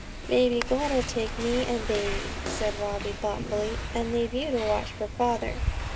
'Maybe God'll take me and baby,' said Robbie thoughtfully, 'and leave you to watch for father.'